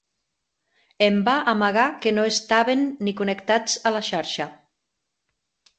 Em va amagar que no estaven ni connectats a la xarxa.